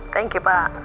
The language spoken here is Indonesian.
thank you pak